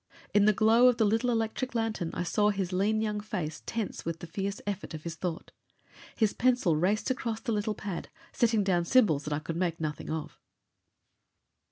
In the glow of the little electric lantern I saw his lean young face tense with the fierce effort of his thought. His pencil raced across the little pad, setting down symbols that I could make nothing of.